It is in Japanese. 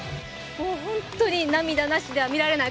本当に涙なしでは見られない。